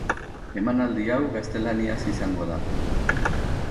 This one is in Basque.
Emanaldi hau gaztelaniaz izango da.